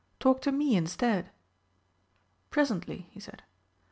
Talk to me instead!" "Presently," he said.